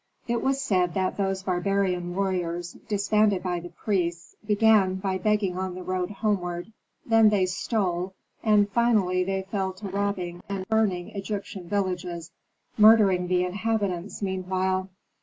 It was said that those barbarian warriors, disbanded by the priests, began by begging on the road homeward, then they stole, and finally they fell to robbing and burning Egyptian villages, murdering the inhabitants meanwhile.